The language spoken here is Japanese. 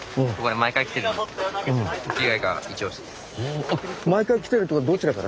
毎回来てるってことはどちらから？